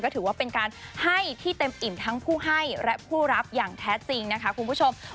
ถือว่าเป็นการให้ที่เต็มอิ่มทั้งผู้ให้และผู้รับอย่างแท้จริงนะคะคุณผู้ชม